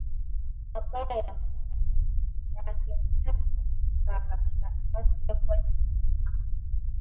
mabaya ya madaraka Takwimu yake ni tata na kukaa katika nafasi ya kuwajibika na